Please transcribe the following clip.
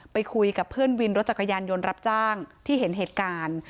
ไปคุยกับเพื่อนวินรถจักรยานยนต์รับจ้างที่เห็นเหตุการณ์